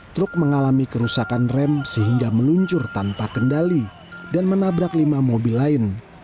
truk mengalami kerusakan rem sehingga meluncur tanpa kendali dan menabrak lima mobil lain